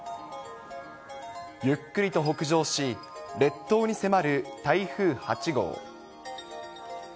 ゆっくりと北上し、列島に迫る台風８号。